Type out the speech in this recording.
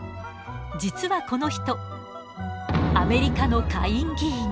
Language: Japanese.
実はこの人アメリカの下院議員。